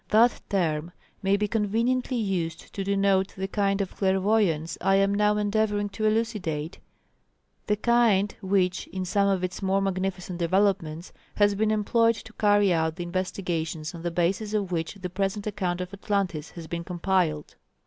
That term may be conveniently used to denote the kind of clairvoyance I am now endeavouring to elucidate, the kind which, in some of its more magnificent developments, has been employed to carry out the investigations on the basis of which the present account of Atlantis has been compiled.